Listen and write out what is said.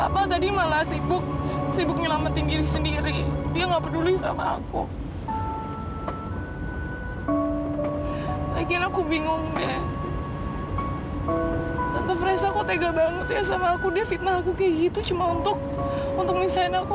padahal kan dia nggak ngerti apa apa sama semua ini